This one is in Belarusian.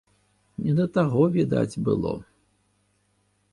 Не да таго, відаць, было.